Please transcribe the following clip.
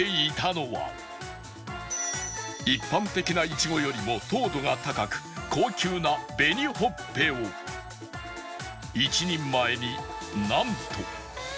一般的ないちごよりも糖度が高く高級な紅ほっぺを１人前になんと